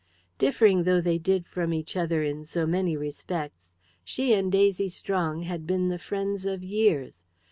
Differing though they did from each other in so many respects, she and Daisy Strong had been the friends of years.